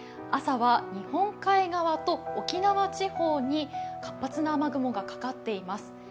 朝は日本海側と沖縄地方に活発な雨雲がかかっています。